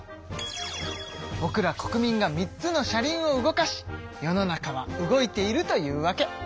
ぼくら国民が３つの車輪を動かし世の中は動いているというわけ。